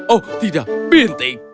oh tidak bintik